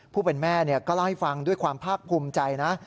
ผู้เป็นแม่ก็เล่าให้ฟังด้วยความภาคภูมิใจนะ